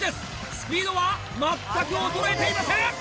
スピードは全く衰えていません！